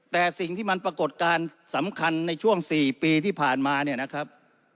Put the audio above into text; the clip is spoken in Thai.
แต่สิ่งที่มันปรากฏการณ์สำคัญในช่วง๔ปีที่ผ่านมาเนี่ยนะครับ